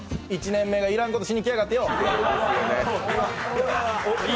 １年目がいらんことしに来やがってよ！